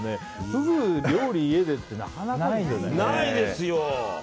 フグ、料理家でってなかなかないですよね。